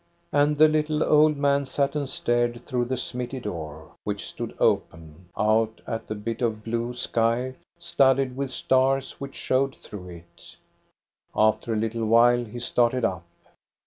And the little old man sat and stared through the smithy door, which stood open, out at the bit of blue sky studded with stars which showed through it After a little while he started up.